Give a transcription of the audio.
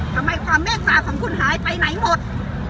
ความเมตตาของคุณหายไปไหนหมด